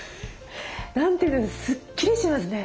何ていうかスッキリしますね。